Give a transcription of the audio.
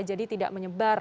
jadi tidak menyebabkan